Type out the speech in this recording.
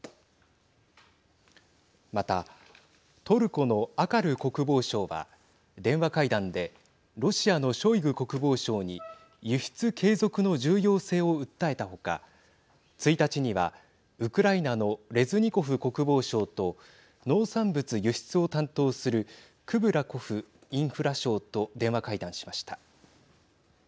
またトルコのアカル国防相は電話会談でロシアのショイグ国防相に輸出継続の重要性を訴えた他１日にはウクライナのレズニコフ国防相と農産物輸出を担当するクブラコフ・インフラ相と電話会談しました。